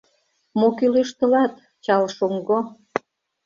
«Мо кӱлеш тылат, чал шоҥго?»